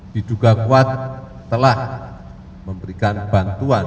diduga kuat telah memberikan bantuan